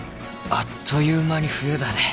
あっという間に冬だね。